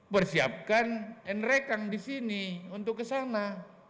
persiapkan enrekang di sini untuk ke sana